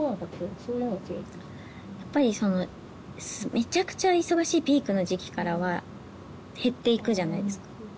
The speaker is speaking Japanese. やっぱりそのめちゃくちゃ忙しいピークの時期からは減っていくじゃないですか